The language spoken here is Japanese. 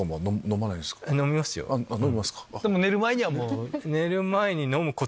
でも寝る前にはもう。